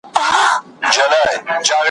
¬ بې کاري لنگېږي، خواري ترې زېږي.